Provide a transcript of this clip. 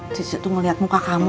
cece tuh ngeliat muka kamu